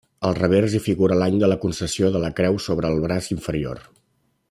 Al revers hi figura l'any de la concessió de la creu sobre el braç inferior.